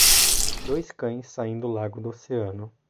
Dois cães saem do lago do oceano.